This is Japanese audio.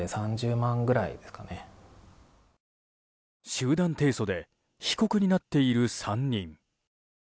集団訴訟で被告になっている３人。